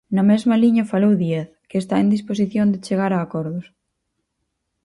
Na mesma liña falou Díaz, que está en disposición de chegar a acordos.